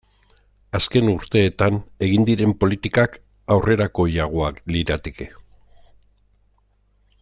Azken urteetan egin diren politikak aurrerakoiagoak lirateke.